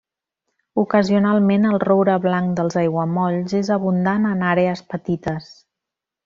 Ocasionalment el roure blanc dels aiguamolls és abundant en àrees petites.